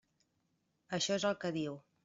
Això és el que diu.